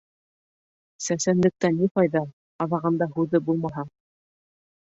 Сәсәнлектән ни файҙа, аҙағында һүҙе булмаһа?